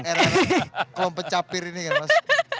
kelompok capir ini ya mas